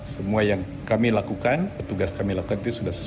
semua yang kami lakukan petugas kami lakukan itu sudah selesai